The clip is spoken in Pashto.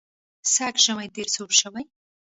سږ ژمی ډېر سوړ شو.